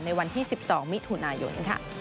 ในวันที่๑๒มิถุนายน